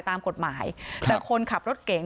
ตามกฎหมายแต่คนขับรถเก๋ง